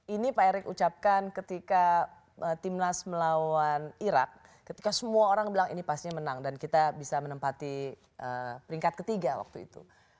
ini pak erick ucapkan ketika timnas melawan irak ketika semua orang bilang ini pastinya menang dan kita bisa menempati peringkat ketiga waktu itu